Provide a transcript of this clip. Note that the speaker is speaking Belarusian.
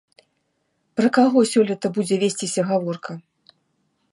Пра каго сёлета будзе весціся гаворка?